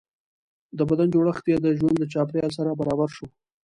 د بدن جوړښت یې د ژوند له چاپېریال سره برابر شو.